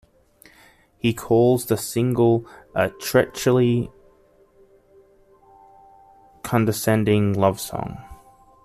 He calls the single a "treacly, condescending love song".